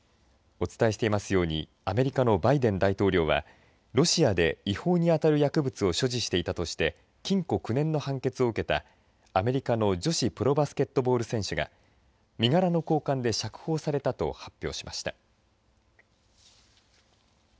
お伝えしていますようにアメリカのバイデン大統領はロシアで違法に当たる薬物を所持していたとして禁錮９年の判決を受けたアメリカの女子プロバスケットボール選手が身柄の交換で釈放されたと発表しました。